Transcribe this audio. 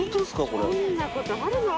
こんなことあるの？